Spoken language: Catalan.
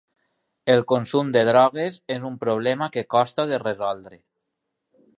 El consum de drogues és un problema que costa de resoldre.